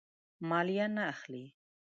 مالیه نه اخلي.